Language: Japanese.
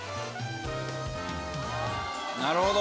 「なるほど！」